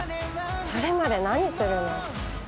それまで何するの？